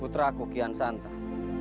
puteraku kian santang